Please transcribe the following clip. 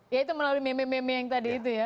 ya itu melalui meme meme yang tadi itu ya